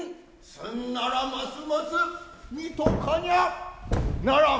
すんならますますみとかにゃならん。